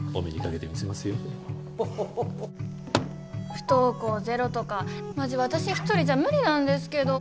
不登校ゼロとかマジわたし一人じゃ無理なんですけど。